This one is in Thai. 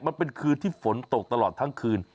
มันเป็นคืนที่ฝนตกตลอดทั้งคืน